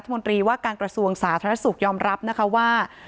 นตรีว่าการกระทรวงสาธารณสุขยอมรับนะคะว่า